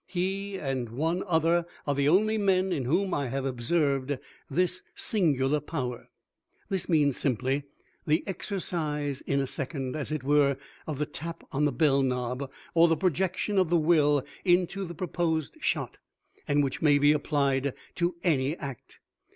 He and one other are the only men in whom I have observed this singular power." This means simply the exercise in a second, as it were, of "the tap on the bell knob," or the projection of the will into the proposed shot, and which may be applied to any act.